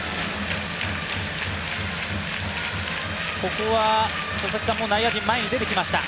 ここは内野陣も前に出てきました。